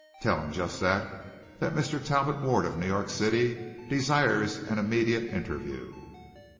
Tell him just that, and that Mr. Talbot Ward of New York City desires an immediate interview."